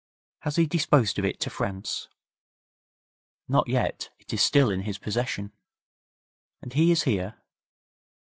'Has he disposed of it to France?' 'Not yet. It is still in his possession.' 'And he is here?'